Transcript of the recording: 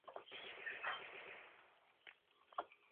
En "El cometa naranja".